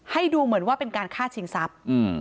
ให้ดูเหมือนว่าเป็นการฆ่าชิงทรัพย์